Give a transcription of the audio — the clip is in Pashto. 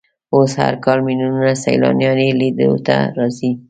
اوس هر کال ملیونونه سیلانیان یې لیدو ته راځي.